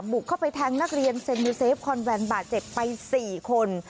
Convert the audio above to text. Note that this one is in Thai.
บุกเข้าไปแทงนักเรียนเซ็นยูเซฟคอนแวนบาดเจ็บไป๔คน